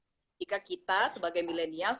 ketika kita sebagai milenial